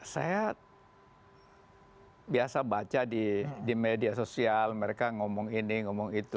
saya biasa baca di media sosial mereka ngomong ini ngomong itu